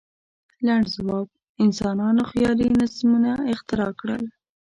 لنډ ځواب: انسانانو خیالي نظمونه اختراع کړل.